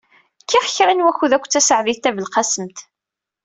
Kkiɣ kra n wakud akked Taseɛdit Tabelqasemt.